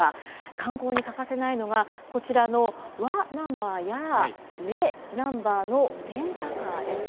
観光に欠かせないのが、こちらの、わナンバーや、れナンバーのレンタカーです。